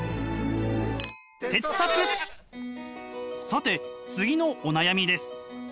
さて次のお悩みです。